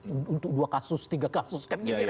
artinya akhir tahun mereka mengatakan kami sukses